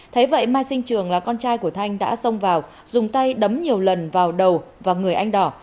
thế vậy mai sinh trường là con trai của thanh đã xông vào dùng tay đấm nhiều lần vào đầu và người anh đỏ